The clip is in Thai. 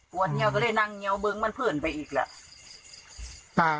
ปวดเงียวก็เลยนั่งเงียวเบื้องมันเพิ่นไปอีกล่ะ